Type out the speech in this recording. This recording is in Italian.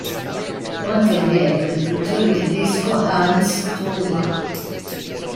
Fu anche allievo del pittore tedesco Hans Thoma.